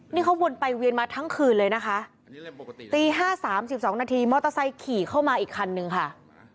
นี่เขาวนไปเวียนมาทั้งคืนเลยนะคะตี๕๓๒นาทีมอเตอร์ไซค์ขี่เข้ามาอีกคันนึงค่ะ